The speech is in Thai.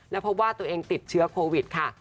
และพบว่าตัวเองติดเชื้อโควิดค่ะ